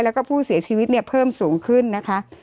แล้วก็ผู้เสียชีวิตเนี่ยเพิ่มสูงขึ้นนะคะ